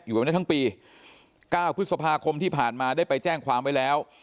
แบบนี้ทั้งปี๙พฤษภาคมที่ผ่านมาได้ไปแจ้งความไว้แล้ว